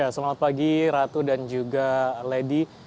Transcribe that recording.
selamat pagi ratu dan juga lady